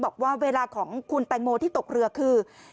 บอกว่าเวลาของคุณแตงโมที่ตกเรือคือ